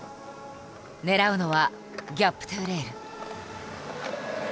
狙うのは「ギャップｔｏレール」。